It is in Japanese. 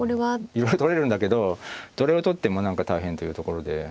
いろいろ取れるんだけどどれを取っても何か大変というところで。